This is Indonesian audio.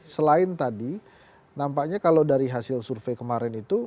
selain tadi nampaknya kalau dari hasil survei kemarin itu